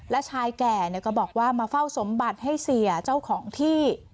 และชายแก่ก็บอกว่ามาเฝ้าสมบัติให้เสียเจ้าของที่